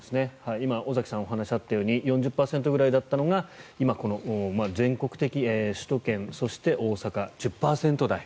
今、尾崎さんのお話にあったように４０％ぐらいだったのが今、全国的に首都圏、大阪は１０％台。